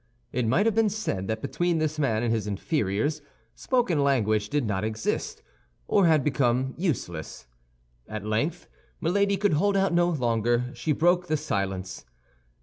It might have been said that between this man and his inferiors spoken language did not exist, or had become useless. At length Milady could hold out no longer; she broke the silence.